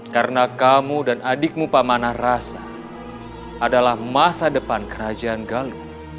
karena kamu dan adikmu pamanah rasa adalah masa depan kerajaan galuh